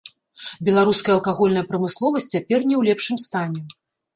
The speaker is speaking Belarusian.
Беларуская алкагольная прамысловасць цяпер не ў лепшым стане.